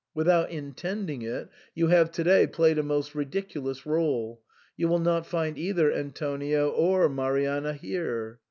Without intending it, you have to day played a most ridiculous r6le. You will not find either Antonio or Marianna here."